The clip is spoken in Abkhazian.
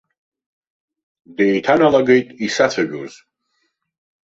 Деиҭаналагеит исацәажәоз.